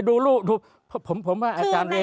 ครึ่งในรายงานนะคะ